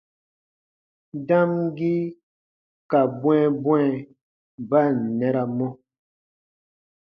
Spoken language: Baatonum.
Damgii ka bwɛ̃ɛbwɛ̃ɛ ba ǹ nɛramɔ.